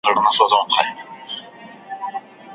پر زکندن دي یادوم جانانه هېر مي نه کې